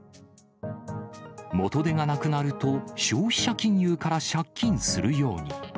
元手がなくなると、消費者金融から借金するように。